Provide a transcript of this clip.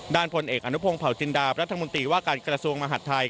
ด้านพลเอกอนุพงศ์เผาจินดาประธรรมนตรีว่าการกรสวงศ์มหาดไทย